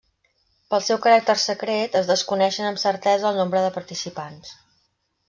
Pel seu caràcter secret es desconeixen amb certesa el nombre de participants.